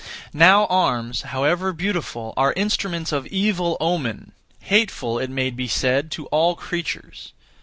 Now arms, however beautiful, are instruments of evil omen, hateful, it may be said, to all creatures.